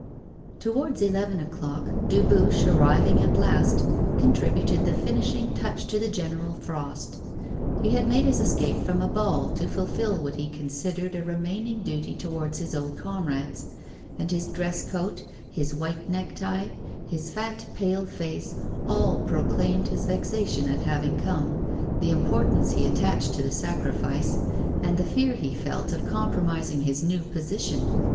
Towards eleven o'clock Dubuche, arriving at last, contributed the finishing touch to the general frost. He had made his escape from a ball to fulfil what he considered a remaining duty towards his old comrades; and his dress coat, his white necktie, his fat, pale face, all proclaimed his vexation at having come, the importance he attached to the sacrifice, and the fear he felt of compromising his new position.